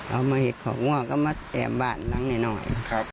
เอามาเห็นของก็มีแต่บานแบนหนึ่งหน่อย